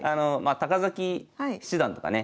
崎七段とかね